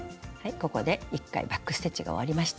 ここで一回バック・ステッチが終わりました。